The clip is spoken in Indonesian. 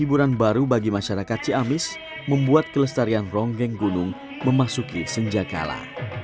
hiburan baru bagi masyarakat ciamis membuat kelestarian ronggeng gunung memasuki senjakala